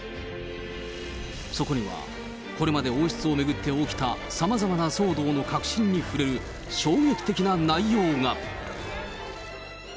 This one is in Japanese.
そこには、これまで王室を巡って起きたさまざまな騒動の核心に触れる衝撃的な内容が。